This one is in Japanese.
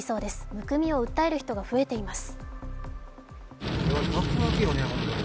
むくみを訴える人が増えています。